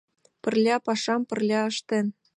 Пырля пашам пырля ыштен